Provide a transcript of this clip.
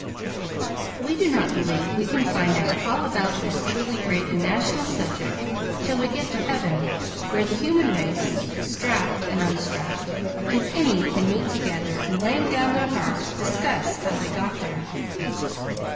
We do not believe we can find out all about this truly great and national subject till we get to heaven, where the human race, strapped and unstrapped, if any, can meet together and laying down their harps discuss how they got there.